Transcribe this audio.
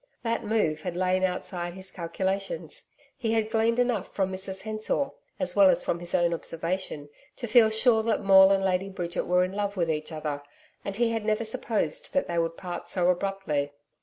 That move had lain outside his calculations. He had gleaned enough from Mrs Hensor, as well as from his own observation, to feel sure that Maule and Lady Bridget were in love with each other, and he had never supposed that they would part so abruptly.